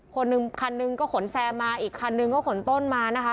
คนหนึ่งคันหนึ่งก็ขนแซมมาอีกคันนึงก็ขนต้นมานะคะ